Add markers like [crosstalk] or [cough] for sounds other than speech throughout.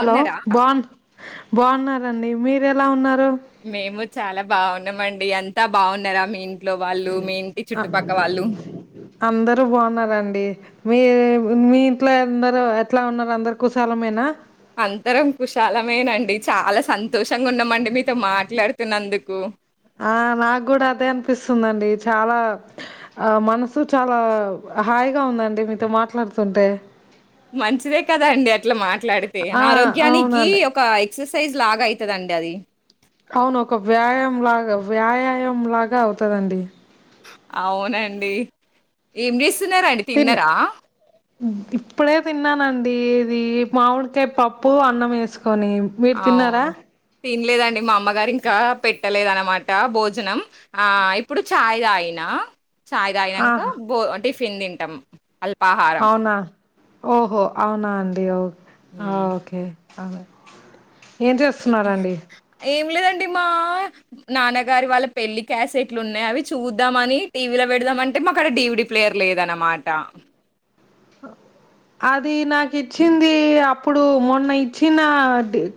బావున్నరా? బాన్ బాగున్నారండి మీరు ఎలా ఉన్నారు మేము చాలా బాగున్నామ అండి అంతా బాగున్నారా మీ వాళ్ళు, మీ ఇంటి అ చుట్టుపక్క వాళ్ళు? అందరూ బాగున్నారండి మీరే మీ ఇంట్లో అందరు ఎట్లా ఉన్నారు అందరు కుసాలమేన అంతరం కుశాలమేనండి చాలా సంతోషంగా ఉన్నామండి మీతో మాట్లాడుతున్నందుకు ఆ నాకు కూడా అదే అనిపిస్తుందండి చాలా ఆ మనసు చాలా హాయిగా ఉందండి మీతో మాట్లాడుతుంటే మంచిదే కదా అండి అట్లా మాట్లాడితే ఆ ఆరోగ్యానికి అవునండి ఒక ఎక్స సైజ్ లాగా అయితదండి అది అవును ఒక వ్యాయామం లాగా వ్యాయామం లాగా అవుతదండి అవునండి ఏం చేస్తున్నారండి తిన్న తిన్నారా ఇప్పుడే తిన్నానండి ఇది మామిడికాయ పప్పు అన్నం వేసు కొని మీరు తిన్నారా అవును. తినలేదండి మా అమ్మగారు ఇంకా పెట్టలేద అనమాట భోజనం ఆ ఇప్పుడు చాయ్ తాగి ఎన్న చాయ్ తాగినాంక ఆహా బో ఆ టిఫిన్ తింటాం అల్ అవునా ఓహో అవునా అండి హా హ్మ్. ఓకే అవున ఏం లేదండి మా నాన్నగారి వాళ్ళ పెళ్లి క్యాసెట్లు ఉన్నాయి అవి చూద్దామని టీవీలో పెడదాం అంటే మాక్కడ డీ దుడి ప్లేయర్ లేదనమాటా హ అది నాకు ఇచ్చింది అప్పుడు మొన్న ఇచ్చిన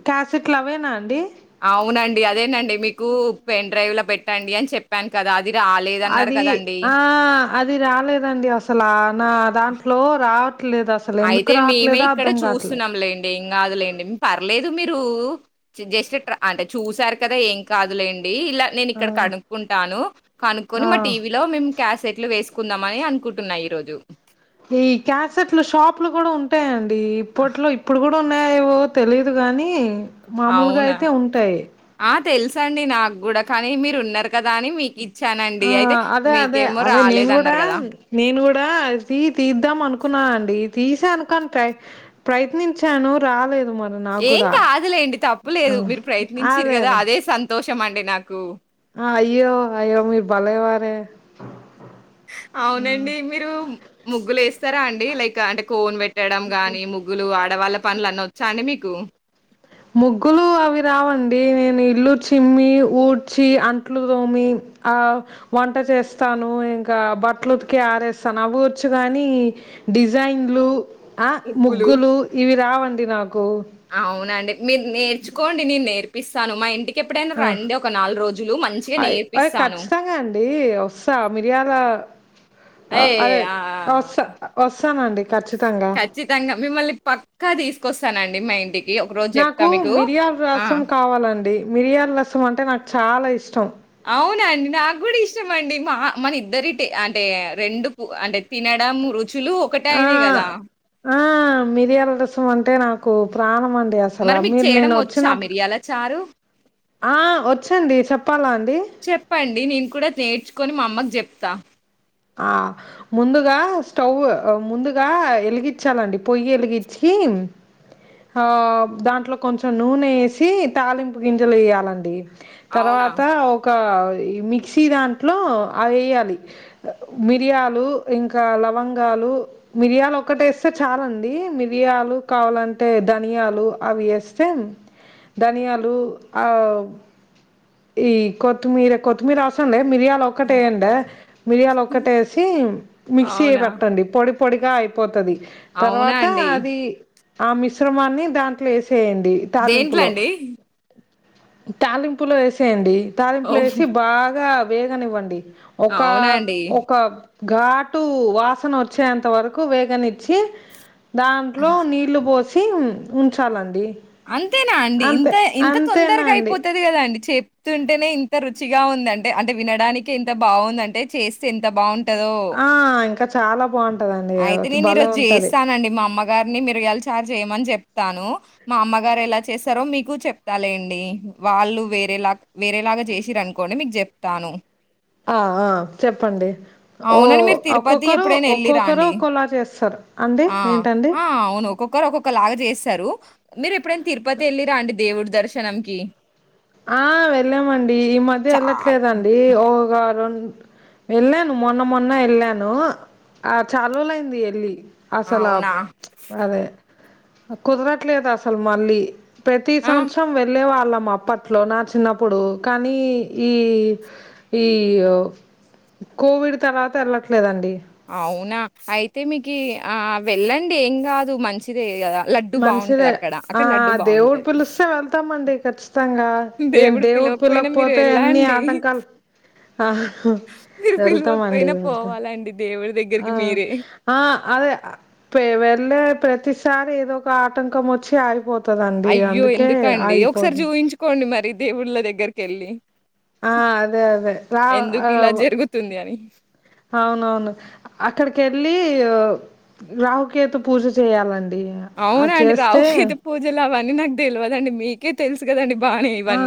క్యాసెట్లు అవేనా అండి అవునండి అదేనండి మీకు పెన్ డ్రైవ్లా పెట్టండి అని చెప్పాను కదా అది రాలేదన్నారు అది కదండీ! ఆ అది రాలేదండి అసలు నా దాంట్లో రా అయితే మేమే ఇక్కడ కావట్లే. చూస్తున్నాం లేండి ఏం కాదులేండి పర్లేదు మీరు మీరు జస్ట్ అంటే చూసారు కదా ఏం కాదులే డి ఇలా నేను ఆ! ఇక్కడ కనుక్కుంటాను కనుక్కొని ఆ! మా టీవీలో మేం క్యాసెట్లు వేసుకుందామని అనుకుంటున్నా ఈ రోజు ఈ క్యాసెట్లు షాపులు కూడా ఉంటాయండి ఆహ్! ఇప్పట్లో ఇప్పుడు కూడా లు ఉన్నాయ ఏవో తెలియదు గాని మామూలుగా అవునా! అయితే ఉంటాయి ఆ! తెలుసండి నాకు కూడా కానీ మీరు ఉన్నారు కదా అని మీ ఇచ్చానండి ఆ అయితే అదే మీకేమో రాలేదన్నారు కదా బా ది తీద్దాం అనుకున్నాను అండి తీసాను కానీ ప్రయత్నించాను రాలేదు మరి నాకు ఏం కూడా కాదులేండి ఆ, తప్పులేదు మీరు ప్రయత్నించరు కదా అదే సంతోషం అండి నాకు ఆ అయ్యో అయ్యో మీ భలేవారే అవునండి మీరు ముగ్గులు వేస్తారా అండి లైక్ అంటే కోన్ పెట్ పెట్టడం కాని ముగ్గులు ఆడవాళ్ళ పనులు అన్న వచ్చా అండి మీకు ముగ్గులు అవి రావండి నేను ఇల్లు చిమ్మి ఊడ్చి అట్లు తోమి ఆ వంట చేస్తాను ఇంకా బట్లు ఉతికి ఆరేస్తాను అవొచ్చుగాని డిజైన్లు ఆ ముగ్గులు ఇవి రావండి నాకు అవునండి. మీరు నేర్చుకోండి నేను నేర్పిస్తాను మా ఇంటి ఎప్పుడైనా ఆ రండి ఒక నాలుగు రోజులు మంచిగా అయ్ అయ్ నేర్పిస్తాను ఖచ్చితంగా అండి వస్తా మిరియాల అ అదే అయ్యయా వస్తా వస్తానండి ఖచ్చితంగా. ఖచ్చితంగా మిమ్మల్ని పక్క తీసుకొస్తానండి మా ఇంటికి ఒకరోజు చెప్తా నాకు మీకు. మిరియాల ఆ! రసం కావాలండి మిరియాల రసం అంటే నాకు చాలా ఇష్టం అవునండి నాకు కూడా ఇష్టం అండి మా మన ఇద్దరి టి అంటే రెండు పూ అంటే తిన డం రు ఆ ఆ మిరియాల రసం అంటే నాకు ప్రాణం అన్ మరి మీకు చేయడం వచ్చా మిరియాల చారు ఆ! వచ్చండి చెప్పాలా అండి? చెప్పండి నేను కూడా నేర్చుకొని మా అమ్మకు చెప్ తా ముందుగా స్టవ్ ముందుగా వెలిగించాలండి పొయ్యి ఎలిగిచ్చి ఉ ఆ దాంట్లో కొంచెం నూనె వేసి తాలింపు గింజలు వేయాలండి అవునా? తర్వాత ఒక మిక్సీ దాంట్లో అవి వేయాలి మిరియాలు ఇంకా లవంగాలు మిరియాలు ఒకటేస్తే చాలాండి మిరియా లు కావాలంటే ధనియాలు అవి వేస్తే ధనియాలు ఆ ఈ కొత్తిమీర కొత్తిమీర అవసరం లే మిరియాలు ఒకటి వేయండే మిరియాలు ఒకటే వేసి మిక్సి అవునా? పట్టండి పొడి పొడిగా అయిపోతది అవునా తర్వాత అండి. అది ఆ మిశ్రమాన్ని దాంట్లో వేసేయండి దేంట్లో తాలింపులో అండి? తాలింపులో వేసేయండి తాలింపులో ఓహ్! వేసి బాగా వేగనివ్వండి ఒక అవునా అండి. ఒక ఘాటు వాసన వచ్చేంత వరకు వేగనిచ్చి దాంట్లో నీళ్లు పోసి ఉంచాలండి అంతేనా అండి అంతే ఇంత ఇంత అంతేనా తొందరగా అండి అయిపోతది కదా అండి చెప్తుంటేనే ఇంత రుచిగా ఉందంటే అంటే వినడానికి ఎంత బాగుంద అంటే చేస్తే ఎంత బాగుం ఆ ఇంకా చాలా బాగుం అయితే నేను ఈరోజు చేస్తానండి మా అమ్మ గారిని మిరియాలు చారు చేయమని చెప్తాను మా అమ్మగారు ఎలా చేస్తారో మీకు చెప్తాలేండి వాళ్ళు వేరేలా వేరేలాగా చేసిర్రు అనుకోండి మీకు చెప్తాను ఆ ఆ చెప్పండి ఓ అవునండి. మీరు తిరుపతి ఒక్కొక్కరు ఎప్పుడైనా ఎళ్ళిరా ఒక్కొక్క అండి ఆ ఏంటండి ఆ అవును ఒక్కొక్కరు ఒక్కొక్క లాగా చేస్తారు మీరు ఎప్పుడైనా తిరుపతి వెళ్ళిర్రా అండి దేవుడి దర్శనంకి ఆ వెళ్ళామండి ఈ మధ్య చాల్ వెళ్ళట్లేదండి ఒక రెండు వెళ్ళాను మొన్న మొన్న వెళ్ళాను ఆ చాల రోజులైంది వెళ్ళి అసలా అవునా? ప్చ్ అదే కుదరట్లేదు అసలు మళ్ళీ ప్రతి ఆ! సంవత్సరం వెళ్ళే వాళ్ళం అప్ప ట్లో నా చిన్నప్పుడు కానీ ఈ ఈ కోవిడ్ తర్వాత వెళ్ళట్లేదండి అవునా అయితే మీకి ఆ వెళ్ళండి ఏం కాదు మంచిదే కదా లడ్డు బాగుంటది మంచిదే అక్కడ ఆ అక్కడ లడ్డు బాగుంటది కష్టంగా ఏం దేవుడు పిలవక పిలవకపోయినా మీరు పోతే ఎన్ని వెళ్ళండి. ఆటంకాలు ఆహ్ మీరు వెళ్తామండి పిలవకపోయినా వెళ్తాం పోవాలండి దేవుడి ఆ దగ్గరికి మీరే. ఆ అదే పే వెళ్ళే ప్రతిసారి ఏదో ఒక ఆటంకం వచ్చి ఆగిపోతు అయ్యో ఎందుకండి ఒకసారి చూపించుకోండి మరి దేవుళ్ళ దగ్గరికి వెళ్ళి ఆ అదే అదే రా ఎందుకిలా ఆవ్ జరుగుతుంది అని. ఆ అవునవును అక్కడికి వెళ్ళి రాహుకేతు పూజ చేయాలండి అవునా అది అండి చేస్తే రాహుకేతు పూజలు అవి అన్ని నాకు తెలియదండి మీకే తెలుసు కదండి ఆ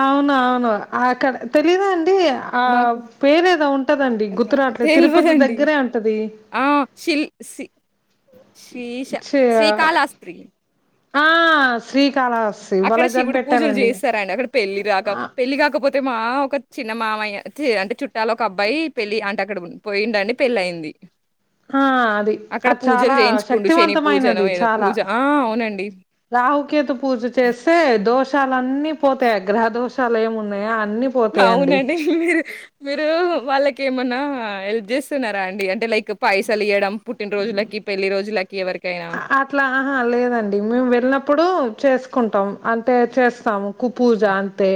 అవునవును అక్కడ తెలీదా అండి ఆ మాకు పేరు ఏదో ఉంటదండి ర గుర్తు రాట్లేదు తిరుపతి తెలవదండి. దగ్గరే ఉంటది ఆ శిల్ సి శ్రీశ చే శ్రీకాళహస్తి ఆ శ్రీ అక్కడ శివుడు పూజలు చేస్తారండి అక్కడ పెళ్ళి రాక పెళ్లి కాకపోతే అయితే మా ఒక చిన్న మామయ్య అంటే చుట్టాలు ఒక అబ్బాయి పెళ్ళి అంటే అక్కడ పోయిండనీ పెళ్లి అయింది హా అది అది చాలా చేయించుకుండు. శని పూజనో శక్తివంతమైనది ఏదో చాలా పూజ ఆ! అవునండి. రాహుకేతు పూజ చేస్తే దోషాలన్నీ పోతాయి గ్రహ దోషాలు ఏమి ఉన్నాయా అ అవునండి మీరు మీరు వాళ్ళకి ఏమన్నా హెల్ప్ చేస్తున్నార అండి అంటే లైక్ పైసలు ఇయ్వడం పుట్టిన రోజులకి పెళ్ళి రోజులకి ఎవరికైనా ఆ అట్లా ఆహా లేదండి మేము వెళ్ళినప్పుడు చేసు కుంటాం అంటే చేస్తాము కు పూజ తే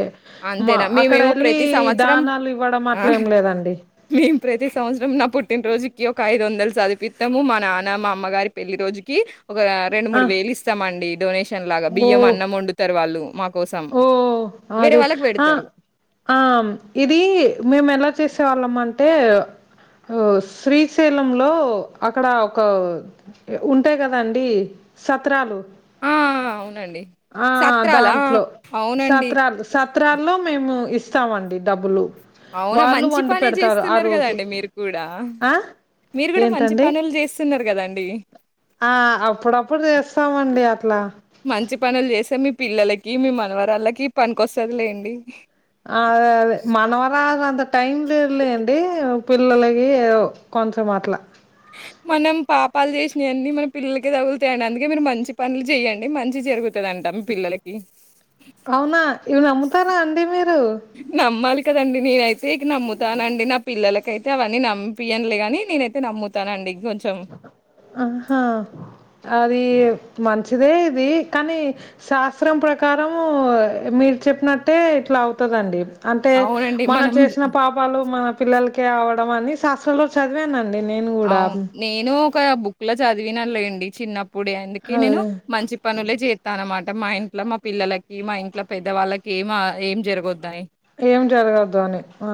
మా అంతేనా? అక్కడ మేమేమో వెళ్ళి ప్రతి సంవత్సరం దానాలు ఇవ్వడం అట్ల ఏం లేదండి మేం ప్రతి సంవత్సరం నా పుట్టిన రోజుకి ఒక ఐదు వందలు చదివిపిత్తాము మా నాన్న మా అమ్మగారి పెళ్లి రోజుకి ఒకా రెండు ఆ మూడు వేలు ఇస్తామండి, డొనేషన్ లాగా ఓ బియ్యం అన్నం వండుతారు వాళ్ళు, మా కోసం ఓ వేరే అదే వాళ్ళకి అ పెడతారు. ఆం ఇది మేమెలా చేసేవాళ్ళం అంటే శ్రీశైలం లో అక్కడ ఒక ఉంటాయి. కదా అండి సత్రాలు ఆ! అవునండి. ఆ సత్రాలా? ఆ! దాంట్లో అవునండి. సత్రాలు సత్రల్లో మేము ఇస్తామండి డబ్బులు అవునా వాళ్ళు మంచి వండి పనే పెడతారు ఆ చేస్తున్నారు. రోజు కదండి మీరు కూడా ఆ మీరు కూడా మంచి ఏంటండి పనులు చేస్తున్నారు, కదండి ఆ అప్పుడప్పుడు చేస్తామండి. అట్లా కీ మీ మనవరళ్ళకి పనికికొస్తది లేండి అదేలే మనవరాలన్ త టైం లేలే అండి పిల్లలకి ఓ కొంచెం అట్లా, మనం పాపాలు చేసినయని మన పిల్లలకే తగులుతయండి. అందుకే మీరు మంచి పనులు చెయ్యండి మంచి జరుగుతదంట మీ పిల్లలకి, అవునా ఇవి నమ్ముతారా అండి మీరు నమ్మాలి కదండి నేనైతే ఇక నమ్ముతానండి నా పిల్లలకైతే అవన్నీ నమ్మిపియనులే కానీ నేనైతే నమ్ముతానండి. కొంచెం. ఆహా అదీ మంచిదే ఇది కానీ శాస్త్రం ప్రకారము మీరు చె చెప్పినట్టే ఇట్లా అవుతాదండి. అంటే మనం చేసిన పాపాలు మన పిల్లలకే అవడం అని శాస్త్రంలో చదివానండి. నేను కూడా అవును. నేను ఒక బుక్ లో చదివిన లేండి చిన్నప్పుడే అందుకే నేను అదే మంచి పనులే, చేత్తా అన్నమాట మా ఇంట్లో మా పిల్లలకి మా ఇంట్లో పెద్దవాళ్ళకి ఏమా ఏం జరగొద్దని ఏం జరగద్దు అని ఆ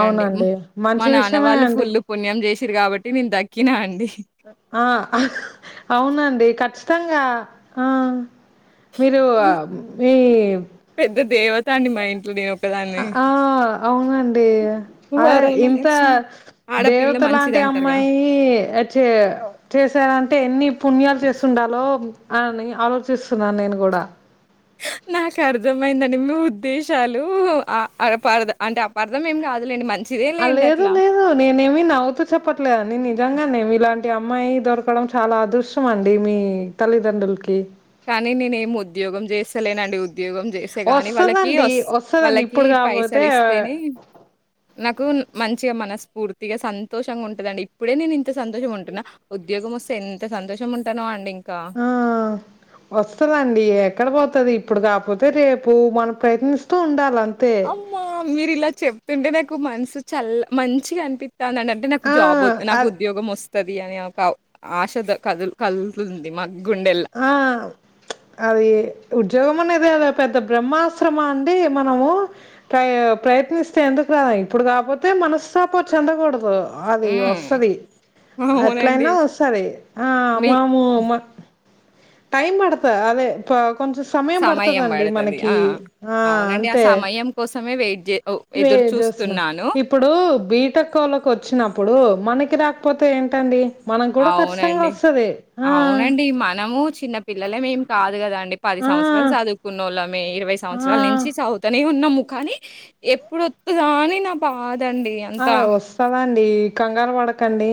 అవునండి మంచి విషయమే అండి తిరు కాబట్టి నేను దక్కినా అండి ఆ అవునండి ఖచ్చితంగా ఆ మీరూ ఆ మీ ఉంటానండి మా ఇంట్లో నేను ఒకదాన్ని అవునా అండీ అదే ఇంత ఆడపిల్ల దేవత లాంటి మంచిదంటారుగా. అమ్మాయి అచ్చే చే చేశారంటే ఎన్ని పుణ్యాలు చేసుండాలో అని ఆలోచిస్తున్నా, నేను కూడా [unintelligible] నాకు అర్థమైందండి మీ ఉద్దేశాలు అ అపార్థ అంటే అపార్థం ఏం కాదులేండి మన అ లేదు లేదు నేనేమి నవ్వుతూ చెప్పట్లేదండి, నిజంగానే మిలాంటి అమ్మాయి దొరకడం చాలా అదృష్టం అండి మీ తల్లిదండ్రులకి, కానీ నేనేమి ఉద్యోగం చేస్తలేనండి ఉ ఉద్యోగం చేస్తే గాని వాళ్ళకి వస్తదండి ఒస్ వస్తదండి వాళ్ళకి ఇప్పుడు పైసలు కాకపోతే ఇస్తేనే, నాకు మంచిగా మనస్ఫూర్తిగా సంతోషంగా ఉంటదండి, ఇప్పుడే నేను ఇంత సంతోషం ఉంటున్నా ఉద్యోగం వస్తే ఎంత సంతోషం ఉంటనో అండి ఇంకా. ఆ వస్తదండీ ఎక్కడ పోతది ఇప్పుడు కాకపోతే రేపు మనం ప్రయత్నిస్తూ ఉండాలం అమ్మా మీరు ఇలా చెప్తుంటే నాకు మనసు చల్ల మంచిగా అనిపి ఉంటే నాకు ఆ జాబ్ వొద్దు అ నాకు ఉద్యోగం వస్తాది. వాతది అనే ఒక ఆశతో కదు కలుతుంది మా గుండెల్ల. ఆ అది ఉద్యోగం అన్నా ఇదే అదా పెద్ద బ్రహ్మాశ్రమా అండి మనము ప్ర ప్రయత్నిస్తే ఎందుకు రాదా ఇప్పుడు కాకపోతే మనస్సా పో చందకూడదు, అది హ్మ్. వస్తాది, అవునండి. ఎట్లయినా వస్తాది, ఆ మీ మాము హ్మ్. మా టైం పడత అదే క్లాక్ కొంచెం సమయం పడుతదండి బడతది. మనకి ఆ! ఆ అవునండి. ఆ అంతే సమయం వెయిడ్జ్ వే చూస్తున్నా ఇప్పుడు బీటకోల్ల కు వచ్చినప్పుడు మనకి రాక్ పోతే ఏంటండి మనం కూడా ఖచ్చితంగా అవునండి వస్తది ఆ అవునండి మనము చిన్న పిల్లలేమేమి కాదు కద పది సంవత్సరాలు ఆ చదువుకున్నోళ్ళ మే ఇరవై ఆ సంవత్సరాల నుంచి చదువుతనే ఉన్నాము కానీ ఎప్పుడొత్తదా అని నా బాదండి అంతా డి కంగారు పడకండి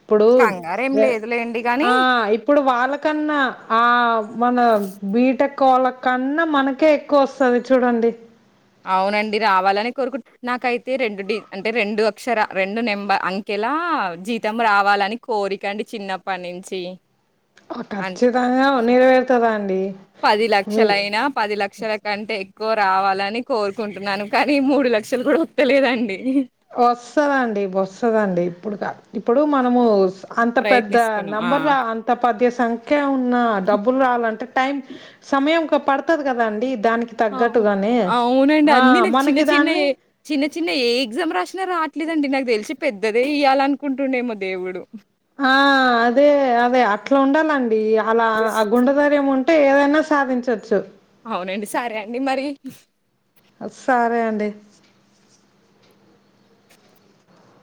ఇప్పుడు కంగారు ఏమి ఎ లేదు లేండి ఆ ఇప్పుడు వాళ్ళకన్నా ఆ మన బీటెక్ కోల కన్నా మనకే ఎక్కువ వస్తది చూడండి అవునండి రావాలని కోరుకుంటు నాకైతే రెండు డి అంటే రెండు అక్షర రెండు నెంబ అంకెలా ఆ జీతం రావాలని కోరికండి చిన్నప్పటి నుంచి ఆ ఖచ్చితంగా నెరవేరుతదండి పది లక్షలయినా పది లక్షల కంటే ఎక్కువ రావాలని కోరుకుంటున్నాను కానీ మూడు లక్షలు కూడా ఒత్తలేదండి వస్తదండి వస్తదండి ఇప్పుడు కా ఇప్పుడు మనము అంత పెద్ద ప్రయత్నిస్తున్నాం. ఆ! నెంబర్ రా అంత పది సంఖ్య ఉన్న డబ్బులు రాలంటే టైం సమయం పడుతది కదా అండి దానికి తగ్గట్టుగానే అవునండి ఆ అన్న నాకు చిన్న మనకి చిన్న దాన్ని ఏ చిన్న చిన్న ఎగ్జామ్ రాస రావట్లేదండి నాకు తెలిసి పెద్దదే ఇయ్యాలి అకుంటుండేమో దేవుడు ఆ అదే అదే అట్లా ఉండాలండి అలా ఆ గుండె ధైర్యం ఉంటే టే ఏదైనా సాధించవచ్చు అవునండి సరే అండి మరి బెస్ట్